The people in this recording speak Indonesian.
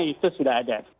itu sudah ada